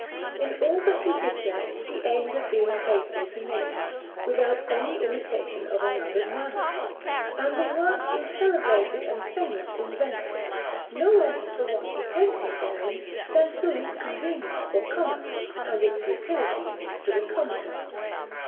In all that he did there he aimed at being faithful to nature, without any imitation of another's manner; and the work is celebrated and famous in Venice, no less for what he painted therein than through its convenience for commerce and its utility to the commonwealth.